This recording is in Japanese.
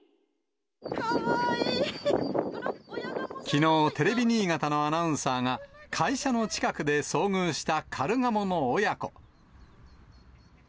きのう、テレビ新潟のアナウンサーが、会社の近くで遭遇したカルガモの親子。